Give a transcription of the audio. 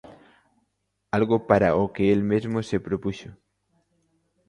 Algo para o que el mesmo se propuxo.